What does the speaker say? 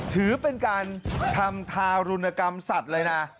ถือเป็นการทำทารุณกรรมสัตว์เลยนะ